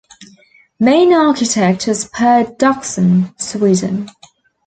Main architect was Per Dockson, Sweden.